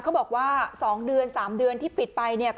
บอกว่า๒เดือน๓เดือนที่ปิดไปเนี่ย